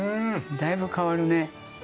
だいぶ変わるね。